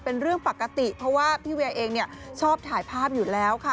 เป็นเรื่องปกติเพราะว่าพี่เวียเองเนี่ยชอบถ่ายภาพอยู่แล้วค่ะ